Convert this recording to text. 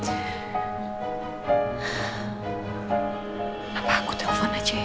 kenapa aku telpon aja ya